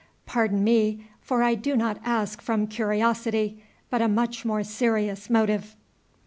Pardon me, for I do not ask from curiosity, but a much more serious motive."